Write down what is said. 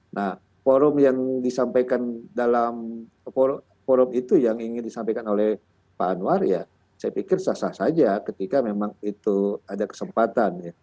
nah forum yang disampaikan dalam forum itu yang ingin disampaikan oleh pak anwar ya saya pikir sah sah saja ketika memang itu ada kesempatan